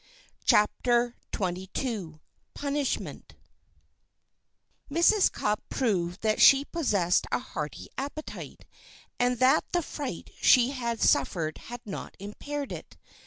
CHAPTER XXII PUNISHMENT Mrs. Cupp proved that she possessed a hearty appetite, and that the fright she had suffered had not impaired it.